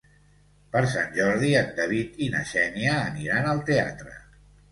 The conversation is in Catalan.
Per Sant Jordi en David i na Xènia aniran al teatre.